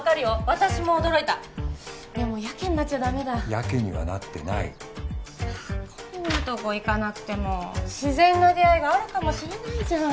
私も驚いたでもヤケになっちゃダメだヤケにはなってないこんなとこ行かなくても自然な出会いがあるかもしれないじゃん